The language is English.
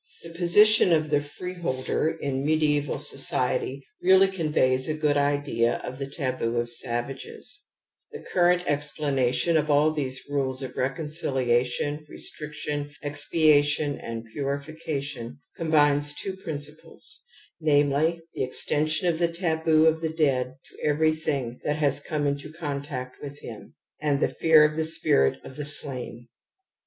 The position of the ' free holder ' in mediaeval society really conveys a good idea of the * taboo ' of savages ^^. V The ciurent explanation of all these rules of (^ reconciliatiOT^ (^^^coinbines^tr^princip^ )tension of the taboo of the dead to everything that has come into contact with him, and the fear of the spirit of the slain.